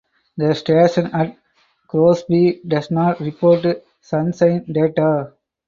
The station at Crosby does not report sunshine data.